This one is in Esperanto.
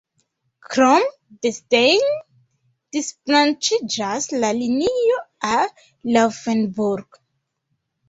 Krome de Stein disbranĉiĝas la linio al Laufenburg.